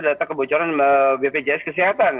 data kebocoran bpjs kesehatan